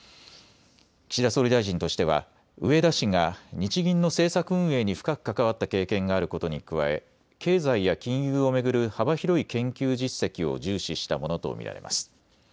岸田総理大臣としては、植田氏が日銀の政策運営に深く関わった経験があることに加え、経済や金融を巡る幅広い研究実績を重視したものと見られます。